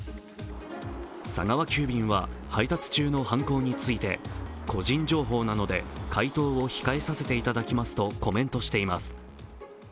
佐川急便は配達中の犯行について個人情報なので回答を控えさせていただきますとコメントしています。